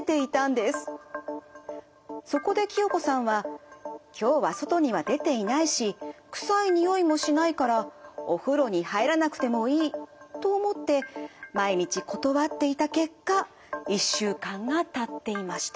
そこで清子さんは「今日は外には出ていないし臭いにおいもしないからお風呂に入らなくてもいい」と思って毎日断っていた結果１週間がたっていました。